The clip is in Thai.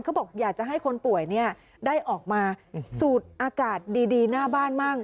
เขาบอกอยากจะให้คนป่วยได้ออกมาสูดอากาศดีหน้าบ้านมั่ง